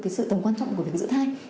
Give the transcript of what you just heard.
cái sự tầm quan trọng của việc giữ thai